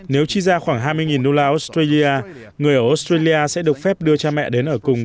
nếu chi ra khoảng hai mươi đô la australia người ở australia sẽ được phép đưa cha mẹ đến ở cùng